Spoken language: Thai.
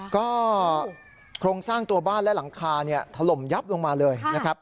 ก็โครงสร้างตัวบ้านและหลังคาถล่มยับลงมาเลยนะครับ